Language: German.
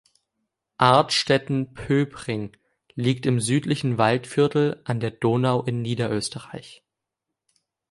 Artstetten-Pöbring liegt im südlichen Waldviertel an der Donau in Niederösterreich.